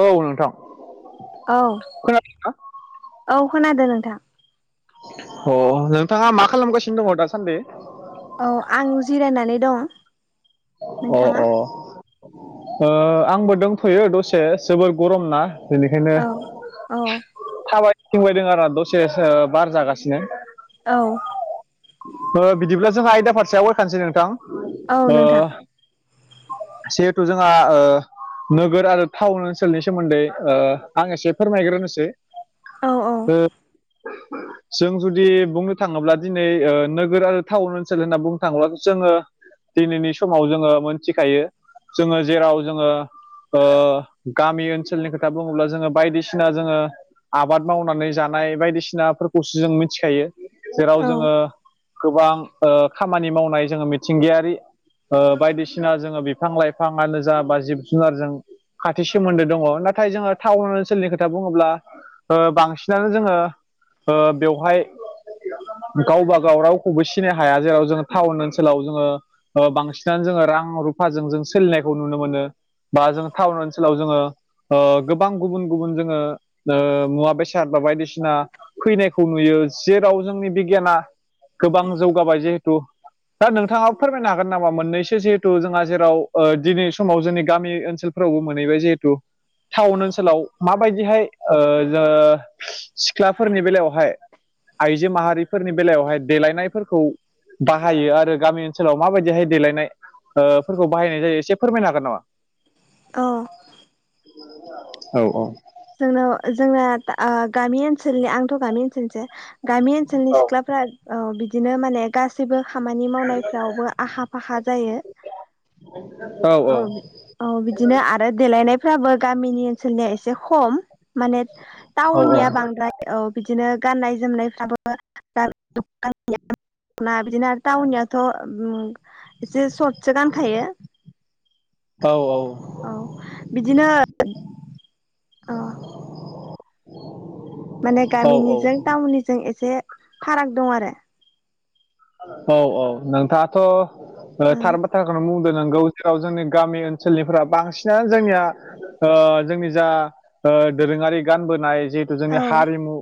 औ नोंथां औ खोनादोंना औ खोनादों नोंथां अ नोंथाङा मा खालामगासिनो दङ दासान्दि औ आं जिरायनानै दं अ नोंथाङा अ आंबो दंथ'यो दसे जोबोर गरम ना बेनिखायनो औ औ थाबायथिंबायदों आरो दसे बार जागासिनो औ बिदिब्ला जोंहा आयदा फारसे आवगाखानोसै नोंथां औ नोंथां जिहेथु जोंहा नोगोर आरो टाउन ओनसोलनि सोमोन्दै आं एसे फोरमायग्रोनोसै औ औ जों जुदि बुंनो थाङोब्ला दि दिनै नोगोर आरो टाउन ओनसोल होनना बुंनो थाङोबा जोङो दिनैनि समाव जोङो मोनथिखायो जोङो जेराव जोङो गामि ओनसोलनि खोथा बुङोब्ला जोङो बायदिसिना जोङो आबाद मावनानै जानाय बायदिसिनाफोरखौसो जों मिथिखायो औ जेराव जोङो गोबां खामानि मावनाय जोङो मिथिंगायारि बायदिसिना जोङो बिफां-लाइफाङानो जा बा जिब-जुनारजों खाथि सोमोन्दो दङ नाथाय जोङो टाउन ओनसोलनि खोथा बुङोब्ला बांसिनानो जोङो बेवहाय गावबा गाव रावखौबो सिनो हाया जेराव जोङो टाउन ओनसोलाव जोङो बांसिनानो जोङो रां रुफाजों जों सोलिनायखौ नुनो मोनो बा जों टाउन ओनसोलाव जोङो गोबां गुबुन गुबुन जोङो मुवा बेसाद बा बायदिसिना फैनायखौ नुयो जेराव जोंनि बिगियाना गोबां जौगाबाय जिहेथु दा नोंथाङा फोरमायनो हागोन नामा? मोननैसो जिहेथु जोंहा जेराव ओ दिनै समाव जोंनि गामि ओनसोल फोरावबो मोनहैबाय जिहेथु टाउन ओनसोलाव माबायदिहाय ओ जो सिख्लाफोरनि बेलायावहाय आइजो माहारि फोरनि बेलायावहाय देलायनायफोरखौ बाहायो। आरो गामि ओनसोलाव माबायदिहाय देलायनाय ओ फोरखौ बाहायनाय जायो एसे फोरमायनो हागोन नामा? औ औ औ जोंनाव जोंना आ गामि ओनसोलनि आंथ' गामि ओनसोलनिसो गामि ओनसोलनि सिख्लाफ्रा औ बिदिनो माने गासैबो खामानि मावनायफ्रावबो आखा फाखा जायो। औ औ औ बिदिनो आरो देलायनायफ्राबो गामिनि ओनसोलनिया एस खम माने औ टाउननिया बांद्राय औ बिदिनो गाननाय जोमनायफ्राबो गा [unintelligible] खना बिदिनो आरो टावननियाथ' ओम एसे सर्टसो गानखायो। औ औ औ बिदिनो अ [inaudible] माने औ गामिनिजों टाउननिजों एसे फाराग दं आरो। औ औ नोंथाङाथ' ओ थार ओ बाथ्राखौनो बुं ओ नोंगौ जेराव जोंनि गामि ओनसोलनिफ्रा बांसिनानो जोंनिया ओ जोंनि जा ओ दोरोङारि गानबोनाय जिहेथु जोंनि हारिमु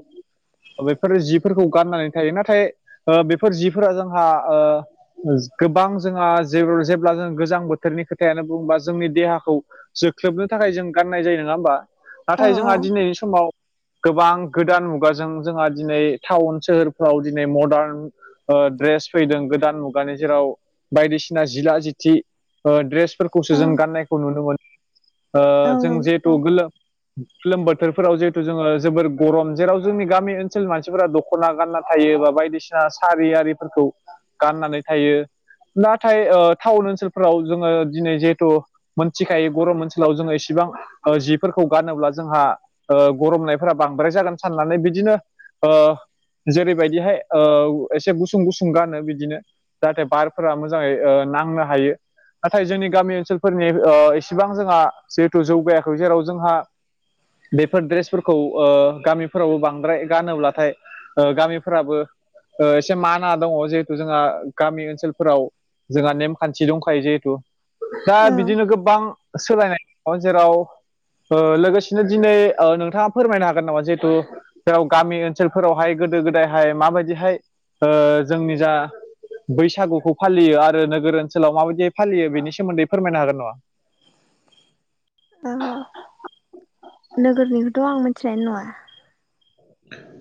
बेफोर जिफोरखौ गाननानै थायो। नाथाय ओ बेफोर जि फोरा जोंहा ओ ओस गोबां जोंहा जेबोर जेब्ला जों गोजां बोथोरनि खोथायानो बुंबा जोंनि देहाखौ जोख्लोबनो थाखाय जों गाननाय जायो नङा होमबा। औ नाथाय जोंहा दिनैनि समाव गोबां गोदान मुगाजों जोंहा दिनै टाउन सोहोरफ्राव दिनै मरडान ओ ड्रेस फैदों गोदान मुगानि जेराव बायदिसिना जिला जिथि ओ ड्रेस फोरखौसो औ जों गाननायखौ नुनो मोन ओ औ जों नंगौ औ जिहेथु गोलोम लोम बोथोरफोराव जिहेथु जोङो जोबोर गरम जेराव जोंनि गामि ओनसोलनि मानसिफोरा दख'ना गानना थायो बा बायदिसिना सारि आरिफोरखौ गाननानै थायो। नाथाय ओ टाउन ओनसोलफोराव जोङो दिनै जेथु मोनथिखायो गरम ओनसोलाव जोङो इसिबां ओ जिफोरखौ गानोब्ला जोंहा ओ गरमनायफोरा बांद्राय जागोन साननानै बिदिनो ओ जेरै बायदिहाय ओ एसे गुसुं गुसुं गानो बिदिनो जाहाथे बारफोरा मोजाङै ओ नांनो हायो। नाथाय जोंनि गामि ओनसोलफोरनि ओ एसेबां जोंहा जिहेथु जौगायाखै जेराव जोंहा बेफोर ड्रेसफोरखौ ओ गामिफोरावबो बांद्राय गानोब्लाथाय। ओ गामिफोराबो ओ एसे माना दङ 'जिहेथु जोंहा गामि ओनसोलफोराव जोंहा नेमखान्थि दंखायो जिहेथु। दा औ बिदिनो गोबां सोलायनाय जेराव ओ लोगोसेनो दिनै ओ नोंथाङा फोरमायनो हागोन नामा जिहेथु जेराव गामि ओनसोलफोरावहाय गोदो गोदायहाय माबायदिहाय ओ जोंनि जा बैसागुखौ फालियो आरो नोगोर ओनसोलाव माबायदियै फालियो बेनि सोमोन्दै फोरमायनो हागोन नामा? ओ नोगोरनिखौथ' आं मोनथिनायानो नङा।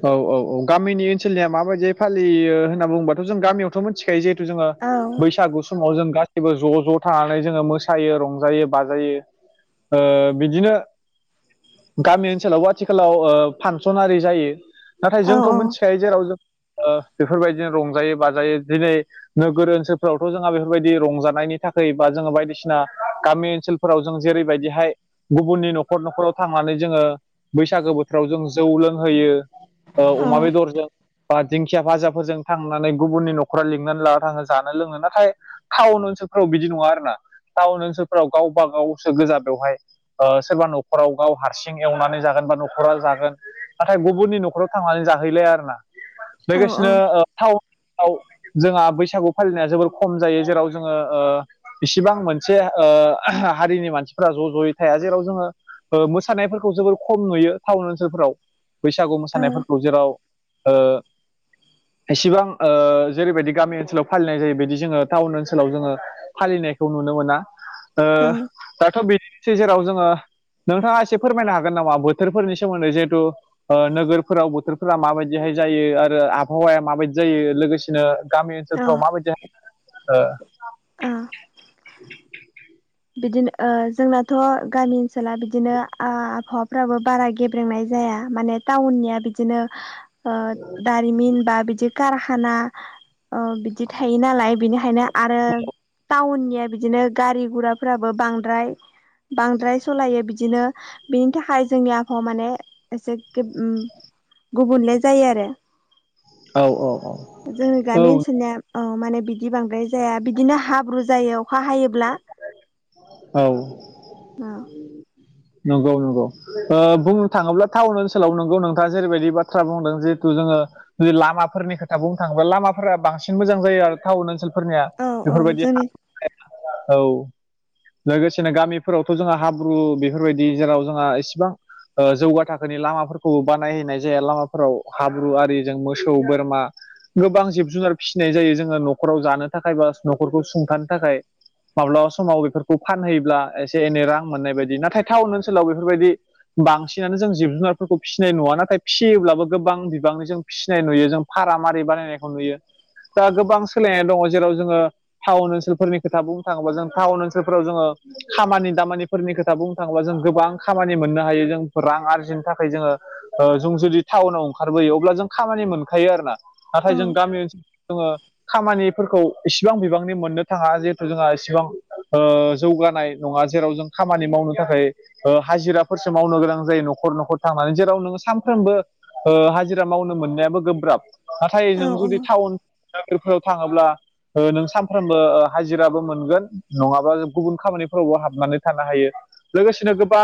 औ औ औ गामिनि ओनसोलनिया माबायदियै फालियो होनना बुङोबाथ' जों गामियावथ' मोन थिखायो जिहेथु जोङो औ बैसागु समाव जों गासिबो ज' ज' थानानै जोङो मोसायो रंजायो बाजायो। ओ बिदिनो गामि ओनसोलावबो आथिखालाव ओ फांसन आरि जायो। नाथाय औ जोंथ' मिथिखायो जेराव जों ओ बेफोरबायदिनो रंजायो बाजायो दिनै नोगोर ओनसोलफ्रावथ' जोंहा बेफोरबायदि रंजानायनि थाखाय बा जोङो बायदिसिना गामि ओनसोल फोराव जों जेरैबायदिहाय गुबुननि न'खर न'खराव थांनानै जोङो बैसागो बोथोराव जों जौ लोंहोयो ओ औ अमा बेदरजों। बा दिंखिया भाजाफोरजों थांनानै गुबुननि न'खराव लिंनानै ला थाङो जानो लोङो। नाथाय टाउन ओनसोलफोराव बिदि नङा आरोना। टाउन ओनसोलफोराव गावबा गावसो गोजा बेवहाय। ओ सोरबा न'खराव गाव हारसिं एवनानै जागोन बा न'खरा जागोन। नाथाय गुबुननि न'खराव थांनानै जाहैलाया आरोना। लोगोसेनो टाइन नाव जोंहा बैसागु फालिनाया जोबोर खम जायो। जेराव जोङो इसिबां मोनसे ओ हारिनि मानसिफ्रा ज' ज'यै थाया जेराव जोङो ओ मोसानायफोरखौ जोबोर खम नुयो टाउन ओनसोलफोराव। बैसागु औ मोसानायफोरखौ जेराव ओ एसेबां ओ जेरैबायदि गामि ओनसोलाव फालिनाय जायो। बिदि जोङो टाउन ओनसोलाव जोङो फालिनायखौ नुनो मोना। ओ औ दाथ' बिदि जेराव जोङो नोंथाङा एसे फोरमायनो हागोन नामा बोथोरफोरनि सोमोन्दै जिहेथु ओ नोगोरफोराव बोथोरफोरा माबायदिहाय जायो आरो आबहावाया माबायदि जायो लोगोसेनो गामि ओनसोल औ फ्राव माबायदि ओ औ बिदिनो ओ जोंनाथ' गामि ओनसोला बिदिनो आबहावाफ्राबो बारा गेब फोरोंनाय जाया। माने टाउननिया बिदिनो दारिमिन बा बिदि कारखाना अ बिदि थायो नालाय बिनिखायनो आरो टाउननिया बिदिनो गारि गुरा फोराबो बांद्राय। बांद्राय सलायो बिदिनो बिनि थाखाय जोंनि आबहावा माने एसे गेब ओ गुबुनले जायो आरो। ओ औ औ जोङो औ गामि ओनसोलनिया औ माने बिदि बांद्राय जाया बिदिनो हाब्रु जायो अखा हायोब्ला। [inaudible] औ। उम। नंगौ नंगौ। ओ बुंनो थाङोब्ला टाउन ओनसोलाव नंगौ नोंथाङा जेरैबायदि बाथ्रा बुंदों जिहेथु जोङो जे लामाफोरनि खोथा बुंनो थाङोब लामाफोरा बांसिन मोजां जायो टाउन ओनसोल फोरनिया। औ औ बेफोरबायदि हा जोंनि [inaudible] औ लोगोसेनो गामिफोरावथ' जोंहा हाब्रु बे फोरबायदि जेराव जोंहा इसेबां ओ जौगा थाखोनि लामाफोरखौबो बानायहैनाय जाया। लामाफोराव हाब्रु आरिजों मोसौ बोरमा गोबां जिब जुनार फिसिनाय जायो जोङो न'खराव जानो थाखाय बा न'खरखौ सुंथानो थाखाय। माब्लाबा समाव बेफोरखौ फानहैयोब्ला एसे एनै रां मोननाय बायदि। नाथाय टाउन ओनसोलाव बेफोरबायदि बांसिनानो जों जिब जुनारफोरखौ फिसिनाय नुवा। नाथाय फिसियोब्लाबो गोबां बिबाङै जों फिसिनाय नुयो। जों भारामारि बानायनायखौ नुयो। दा गोबां सोलायनाय दङ जेराव जोङो टाउन ओनसोलफोरनि खोथा बुंनो थाङोबा जों टाउन ओनसोलफोराव जोङो खामानि दामानिफोरनि खोथा बुं थाङोबा जों गोबां खामानि मोननो हायो जों रां आरजिनो थाखाय जोङो ओ जों जुदि टाउनाव ओंखारबोयो अब्ला जों खामानि मोनखायो आरोना। नाथाय औ जों गामि ओनसोलाव जोङो खामानिफोरखौ एसेबां बिबांनि मोननो थाङा जिहेथु जोंहा एसेबां ओ जौगानाय नङा जेराव जों खामानि मावनो थाखाय ओ हाजिराफोरसो मावनो गोनां जायो न'खर न'खर थांनानै जेराव नोङो सानफ्रोमबो ओ हाजिरा मावनो मोननायाबो गोब्राब। नाथाय जों औ जुदि औ टाउन साख्रिफोराव थाङोब्ला ओ नों सानफ्रोमबो ओ हाजिराबो मोनगोन नङाबा गुबुन खामानिफोरावबो हाबनानै थानो हायो। लोगोसेनो गोबां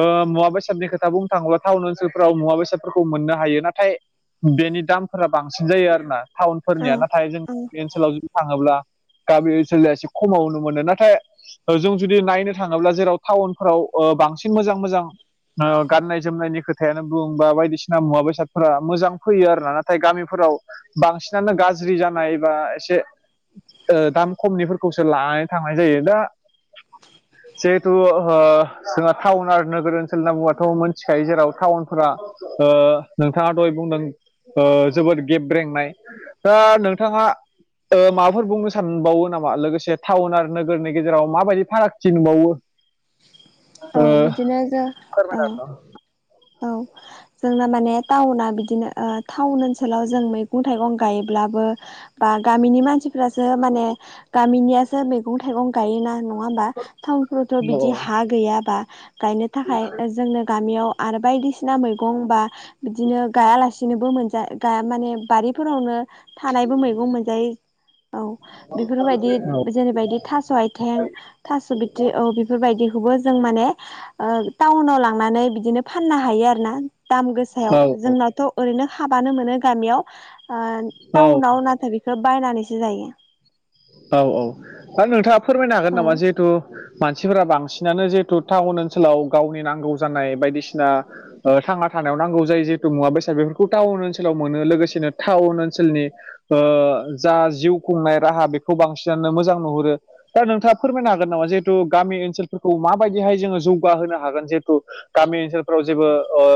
ओ मुवा बेसादनि खोथा बुंनो थाङोब्ला टाउन ओनसोलफोराव मुवा बेसादफोरखौ मोननो हायो। नाथाय बेनि दामफोरा बांसिन जायो आरोना, औ टाउनफोरनिया नाथाय जों औ ओनसोलाव जुदि थाङोब्ला गामि ओनसोल एसे खमाव नुनो मोनो नाथाय, जों जुदि नायनो थाङोब्ला जेराव टाउनफ्राव ओ बांसिन मोजां मोजां ओ गाननाय जोमनायनि खोथायानो बुं बा बायदिसिना मुवा बेसादफोरा मोजां फैयो आरोना नाथाय गामिफोराव बांसिनानो गाज्रि जानाय बा एसे दाम खमनिफोरखौसो लानानै थांनाय जायो दा थु ओ जोंहा टाउन आरो नोगोर ओनसोल होना बुआाथ' मिथिखायो जेराव टाउनफोरा ओ नोंथाङा दहाय बुंदों ओ जोबोद गेबब्रेंनाय दा नोंथाङा ओ माबाफोर बुंनो सानबावो नामा लोगोसे टाउन आरो नोगोरनि गेजेराव माबायदि फारागथि नुबावो औ बिदिनो जों औ ओ औ जोंना माने टाउना बिदिनो ओ टाउन ओनसोलाव जों मैगं थाइगं गायोब्लाबो बा गामिनि मानसिफ्रासो माने गामिनियासो मैगं थाइगं गायोना नङा होमबा टाउनफ्रावथ' हागोन औ बिदि हा गैयाबा गायनो थाखाय ओ जोंनो गामियाव आरो बायदिसिना मैगं बा बिदिनो गायालासिनोबो मोनजा गाया माने बारिफोरावनो थानायबो मैगं मोनजायो औ बेफोरबायदि जेरैबायदि थास' आथिं थास' बिथरि औ बेफोरबायदिखौबो जों माने ओ टाउनाव लांनानै बिदिनो फाननो हायो आरो ना दाम औ गोसायाव जोंनावथ' ओरैनो हाबानो मोनो गामियाव ओ औ औ टाउनाव नाथाय बेखौ बायनानैसो जायो औ औ आरो दा नोंथाङा फोरमायनो हागोन औ नामा जिहेथु मानसिफोरा बांसिनानो जिहेथु टाउन ओनसोलाव गावनि नांगौ जानाय बायदिसिना थांना थानायाव नांगौ जाय जिहेतु मुवा बेसाद बेफोरखौ टाउन ओनसोलाव मोनो लोगोसेनो टाउन ओनसोलनि ओ जा जिउ खुंनाय राहा बेखौ बांसिनानो मोजां नुहुरो दा नोंथाङा फोरमायनो हागोन नामा जिहेथु गामि ओनसोलफोरखौ माबायदिहाय जोङो जौगाहोनो हागोन जे ओ गामि ओनसोलफ्राव जेबो ओ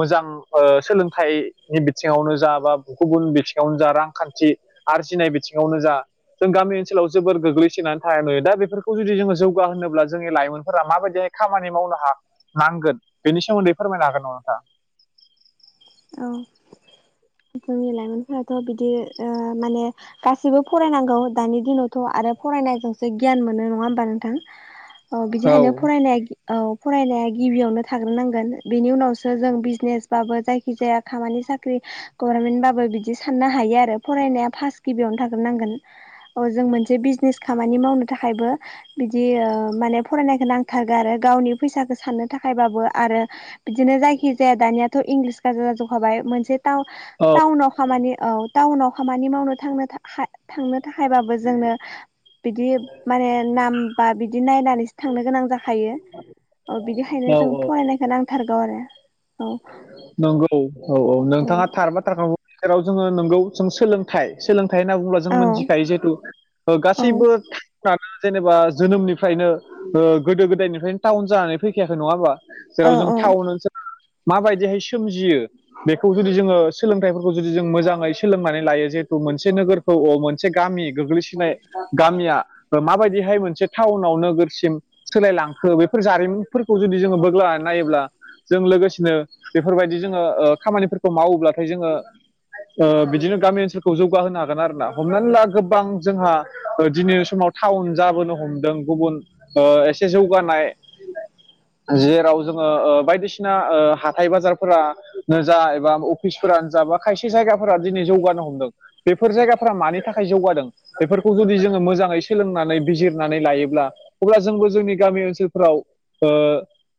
मोजां ओ सोलोंथाइनि बिथिङावनो जा बा गुबुन बिथिङावनो जा रांखान्थि आरजिनाय बिथिङावनो जा जों गामि ओनसोलाव जोबोर गोग्लैसोनानै थानाय नुयो दा बेफोरखौ जुदि जोङो जौगाहोब्ला जोंनि लाइमोनफोरा माबायदि खामानि मावनो हा नांगोन बेनि सोमोन्दै फोरमायनो हागोन नङा नोंथा? औ जोंनि लाइमोनफोराथ' बिदि ओ माने गाससिबो फरायनांगौ दानि दिनावथ' आरो फरायनायजोंसो गियान मोनो नङा होमबा नोंथां अ बिदिहायनो औ फरायनाया औ फरायनाया गिबियावनो थाग्रोनांगोन बेनि उनावसो जों बिजनेसबाबो जायखि जाया खामानि साख्रि गभारनमेन्टबाबो बिदि साननो हायो आरो फरायनाया फार्स्त गिबियावनो थाग्रोनांगोन। अ जों मोनसे बिजनेस खामानि मावनो थाखायबो बिदि ओ माने फरायनायखौ नां थारगो आरो गावनि फैसाखौ साननो थाखायबाबो आरो बिदिनो जायखि जाया दानियाथ' इंलिस जाजो जाजोबखाबाय मोनसे टा औ टाउनाव खामानि औ टाउनाव खामानि मावनो थांनो थाखा थांनो थाखायबाबो जोंनो बिदि माने नाम बा बिदि नायनानैसो थांनो गोनां जाखायो। औ बिनिखायनो औ जों औ फरायनायखौ नांथारगौ आरो औ नंगौ औ औ नोंथाङा थारबाथ्राखौेसेराव जोङो नोंगौ जों सोलों थाय सोलोंथाय होनना बुब्ला जों औ मिथिखायो जिहेथु ओ औ गासैबो जेनेबा जोनोमनिफ्रायनो गोदो ओ गोदायनिफ्रायनो टाउन जानानै फैखायाखै नङा होमबा? औ जेराव जों औ टाउन ओनसोलाव माबायदिहाय सोमजियो बेखौ जुदि जोङो सोलोंथाइफोरखौ जुदि जों मोजाङै सोलोंनानै लायो जिहेथु मोनसे नोगोर औ औ मोनसे गामि गोग्लैसोनाय गामिया ओ माबायदिहाय मोनसे टाउनाव नोगोरसिम सोलायलांखो बेफोर जारिमिनफोरखौ जुदि जोङो बोगलानानै नायोब्ला जों लोगोसे नो बेफोरबायदि जोङो ओ खामानिफोरखौ मावोब्लाथाय जोङो ओ बिदिनो गामि ओनसोलखौ जौगाहोनो हागोन आरोना हमनानै ला गोबां जोंहा दिनै समाव टाउन जाबोनो हमदों गुबुन ओ एसे जौगानाय जिराव जोङो ओ बायदिसिना ओ हाथाय बाजारफोरानो जा एबा अफिसफोरानो जा बा खायसे जायगाफोरा दिनै जौगानो हमदों। बेफोर जायगाफ्रा मानि थाखाय जौगादों बेफोरखौ जुदि जोङो मोजाङै सोलोंनानै बिजिरनानै लायोब्ला अब्ला जोंबो जोंनि गामि ओनसोलफोराव ओ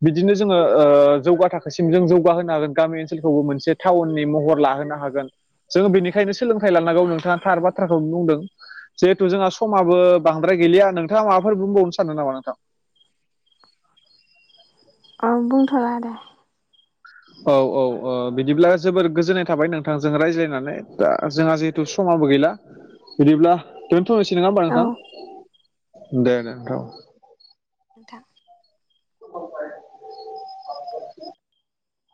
बिदिनो जोङो ओ जौगा था थाखोसिम जों जौगाहोनो हागोन गामि ओनसोलखौबो मोनसे टाउननि महर लाहोनो हागोन। जोङो बेनिखायनो सोलोंथाइ लानांगौ नोंथाङा थार बाथ्राखौ बुंदों। जिहेथु जोंहा समाबो बांद्राय गैलिया नोंथाङा माबाफोर बुंबावनो सानो नामा नोंथां। आं बुंथ'ला दे। औ औ औ बिदिब्ला जोबोर गोजोननाय थाबाय नोंथांजों रायज्लायनानै दा जोंहा जे थ समाबो गैला बिदिब्ला दोनथ'नोसै नङा होमबा औ नोंथां। दे नोंथां। [unintelligible]